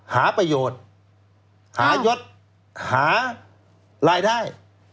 หาประโยชน์หายศหารายได้